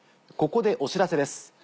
ここでお知らせです。